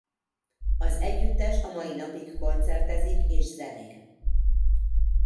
Az együttes a mai napig koncertezik és zenél.